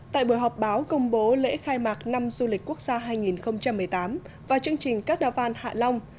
tại buổi họp báo công bố lễ khai mạc năm du lịch quốc gia hai nghìn một mươi tám và chương trình các nà văn hạ long